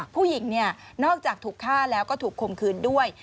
ผู้หญิงเนี่ยนอกจากถูกฆ่าแล้วก็ถูกคมคืนด้วย